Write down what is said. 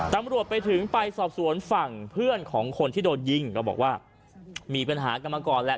ตำรวจไปถึงไปสอบสวนฝั่งเพื่อนของคนที่โดนยิงก็บอกว่ามีปัญหากันมาก่อนแหละ